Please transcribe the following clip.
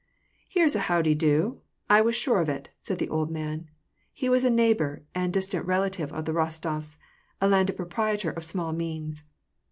" Here's a how de do ! t I was sure of it," said the old man. He was a neighbor and distant relative of the Kostofs — a landed proprietor of small means.